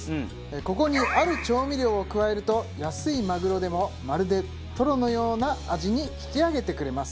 ここにある調味料を加えると安いマグロでもまるでトロのような味に引き上げてくれます。